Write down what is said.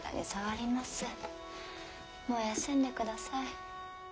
もう休んでください。